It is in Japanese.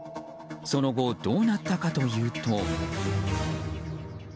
その後、どうなったかというと。